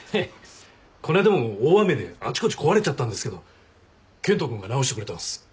こないだも大雨であちこち壊れちゃったんですけど健人君が直してくれたんです。